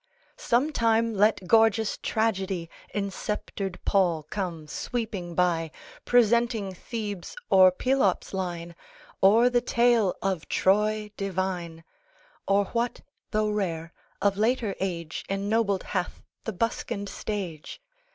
Sometime let gorgeous Tragedy In sceptred pall come sweeping by, Presenting Thebes, or Pelops' line, Or the tale of Troy divine, Or what (though rare) of later age Ennobled hath the buskined stage.